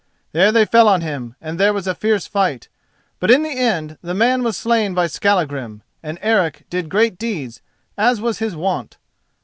There they fell on him and there was a fierce fight. But in the end the man was slain by Skallagrim, and Eric did great deeds, as was his wont.